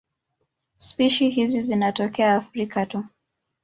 Spishi hizi zinatokea Afrika tu.